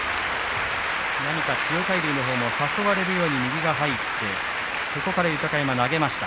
千代大龍のほうも誘われるように右が入ってそこから豊山が投げました。